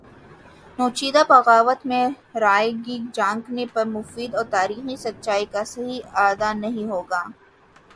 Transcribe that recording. نوچندی بغاوت میں رائیگاں جھانکنے پر مفید اور تاریخی سچائی کا صحیح اعادہ نہیں ہو گا